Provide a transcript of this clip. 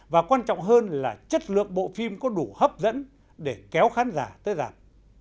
và quan trọng hơn là chất lượng bộ phim có đủ hấp dẫn để kéo khán giả tới rạp